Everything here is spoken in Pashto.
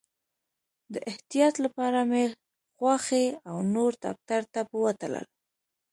د احتیاط لپاره مې خواښي او نور ډاکټر ته بوتلل.